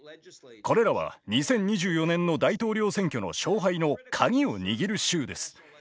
これらは２０２４年の大統領選挙の勝敗の鍵を握る州です。